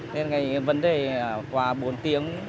nên cái vấn đề là qua bốn tiếng